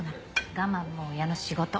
我慢も親の仕事。